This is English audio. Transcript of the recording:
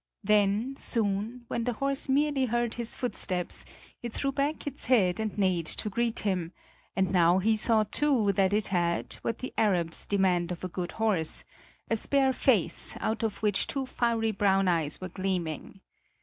Then soon, when the horse merely heard his footsteps, it threw back its head and neighed to greet him; and now he saw too that it had, what the Arabs demand of a good horse, a spare face, out of which two fiery brown eyes were gleaming.